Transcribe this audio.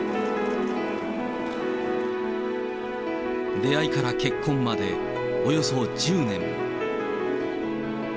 出会いから結婚までおよそ１０年。